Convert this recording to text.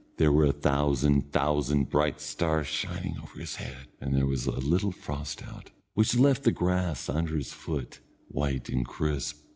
There were a thousand thousand bright stars shining over his head, and there was a little frost out, which left the grass under his foot white and crisp.